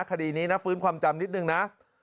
คดีนี้นะฟื้นความจำนิดนึงนะ